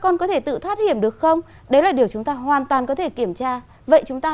con có thể tự thoát hiểm được không đấy là điều chúng ta hoàn toàn có thể kiểm tra vậy chúng ta